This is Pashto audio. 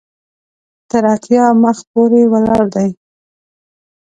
تر اتیا مخ پورې ولاړ دی.